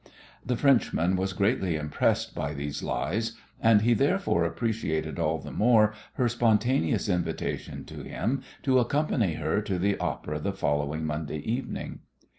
The Frenchman was greatly impressed by these lies, and he therefore appreciated all the more her spontaneous invitation to him to accompany her to the opera the following Monday evening.